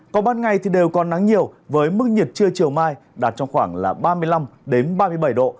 còn ban ngày thì đều còn nắng nhiều với mức nhiệt trưa chiều mai đạt trong khoảng là ba mươi năm ba mươi bảy độ